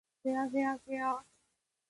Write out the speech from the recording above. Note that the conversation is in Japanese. ふぇあふぇわふぇわ